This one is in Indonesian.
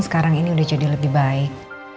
sekarang ini udah jadi lebih baik